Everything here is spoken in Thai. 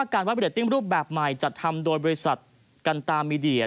การวัดเรตติ้งรูปแบบใหม่จัดทำโดยบริษัทกันตามีเดีย